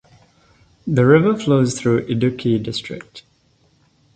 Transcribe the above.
The river flows through Idukki district.